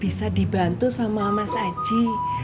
bisa dibantu sama mas aji